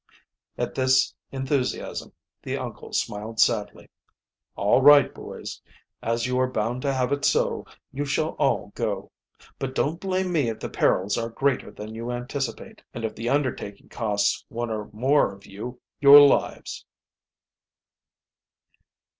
At this enthusiasm the uncle smiled sadly. "All right, boys; as you are bound to have it so, you shall all go. But don't blame me if the perils are greater than you anticipate, and if the undertaking costs one or more of you your lives."